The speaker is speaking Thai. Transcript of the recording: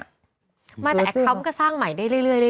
แต่แอคคอมก็สร้างใหม่ได้เรื่อยดี